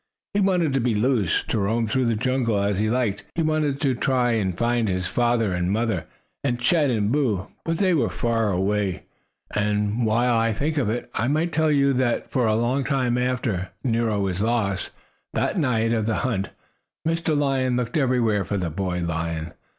He wanted to be loose, to roam through the jungle as he liked. He wanted to try to find his father and his mother and Chet and Boo. But they were far away. And, while I think of it, I might tell you that for a long time after Nero was lost, that night of the hunt, Mr. Lion looked everywhere for the boy lion.